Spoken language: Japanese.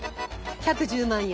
１１０万円。